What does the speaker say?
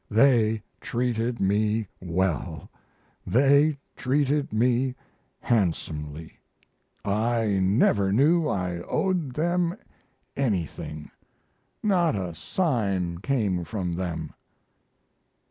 They treated me well; they treated me handsomely. I never knew I owed them anything; not a sign came from them.